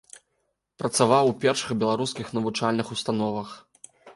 Працаваў у першых беларускіх навучальных установах.